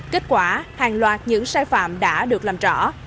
kết quả hàng loạt những sai phạm đã được làm rõ